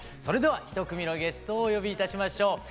それでは一組目のゲストをお呼びいたしましょう。